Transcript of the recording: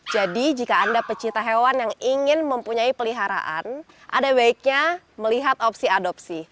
jadi jika anda pecinta hewan yang ingin mempunyai peliharaan ada baiknya melihat opsi adopsi